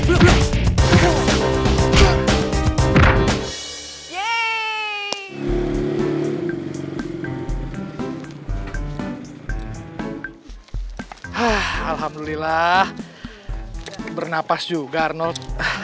alhamdulillah bernapas juga arnold